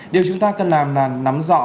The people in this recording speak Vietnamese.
điều chúng ta cần làm là nắm rõ